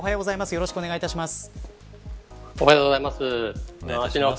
よろしくお願いします。